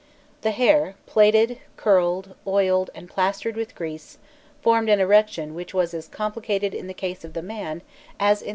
The hair, plaited, curled, oiled, and plastered with grease, formed an erection which was as complicated in the case of the man as in that of the woman.